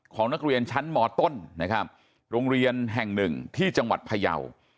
นักเรียนชั้นมต้นนะครับโรงเรียนแห่งหนึ่งที่จังหวัดพยาว